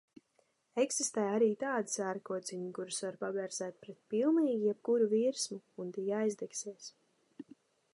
Eksistē arī tādi sērkociņi, kurus var paberzēt pret pilnīgi jebkuru virsmu, un tie aizdegsies.